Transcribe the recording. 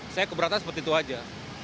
saya keberatan seperti itu aja